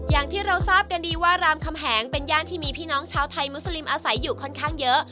อย่างที่เราทราบกันดีว่ารามคำแหงเป็นย่านที่มีพี่น้องชาวไทยมุสลิมอาศัยอยู่ค่อนข้างเยอะ